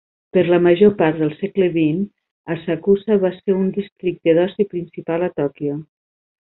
Per la major part del segle vint, Asakusa va ser un districte d'oci principal a Tòquio.